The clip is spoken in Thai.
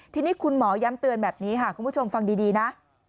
ทีนี้คุณหมอย้ำเตือนแบบนี้ค่ะคุณผู้ชมฟังดีนะ